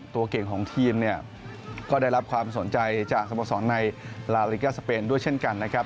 ตัวเก่งของทีมเนี่ยก็ได้รับความสนใจจากสโมสรในลาลิกาสเปนด้วยเช่นกันนะครับ